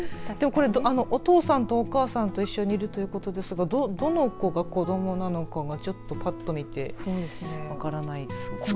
お父さんとお母さんと一緒にいるということですがどの子が子どもなのかがちょっと、ぱっと見て分からないです。